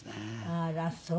あらそう。